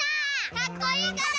かっこいいから！